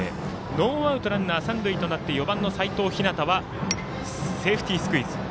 ノーアウトランナー、三塁となって４番の齋藤陽はセーフティースクイズ。